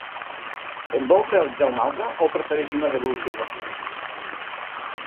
En vol realitzar una altra o prefereix una devolució dels diners?